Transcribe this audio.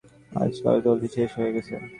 আজ কাজ জলদি শেষ হয়ে গেছে।